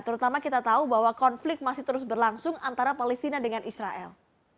terutama kita tahu bahwa konflik masih terus berlangsung antara palestina dengan israel